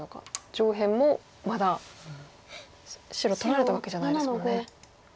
上辺もまだ白取られたわけじゃないですもんね。